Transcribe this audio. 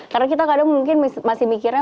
karena kita kadang mungkin masih mikirnya